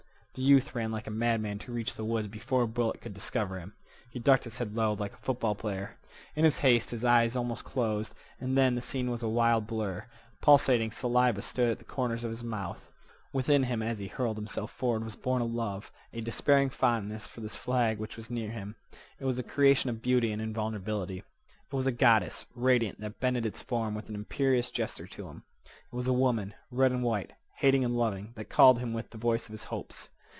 The youth ran like a madman to reach the woods before a bullet could discover him. He ducked his head low, like a football player. In his haste his eyes almost closed, and the scene was a wild blur. Pulsating saliva stood at the corners of his mouth. Within him, as he hurled himself forward, was born a love, a despairing fondness for this flag which was near him. It was a creation of beauty and invulnerability. It was a goddess, radiant, that bended its form with an imperious gesture to him. It was a woman, red and white, hating and loving, that called him with the voice of his hopes.